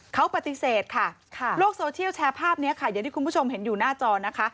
เขาปฏิเสธค่ะโลกโซเชียลแชร์ภาพนี้ค่ะอย่างที่คุณผู้ชมเห็นอยู่หน้าจอนะคะ